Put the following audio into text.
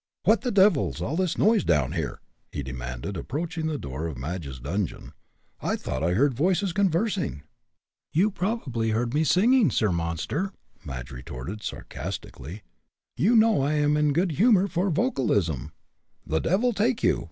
"What the devil's all the noise down here?" he demanded, approaching the door of Madge's dungeon. "I thought I heard voices conversing." "You probably heard me singing, Sir Monster!" Madge retorted, sarcastically. "You know I am in good humor for vocalism." "The devil take you!